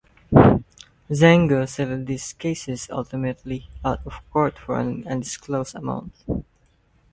Xango settled these cases ultimately, out of court for an undisclosed amount.